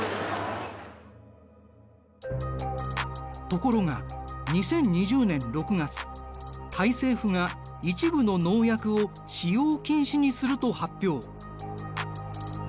ところが２０２０年６月タイ政府が一部の農薬を使用禁止にすると発表。